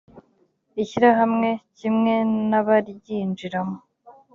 ishyirahamwe kimwe n abaryinjiramo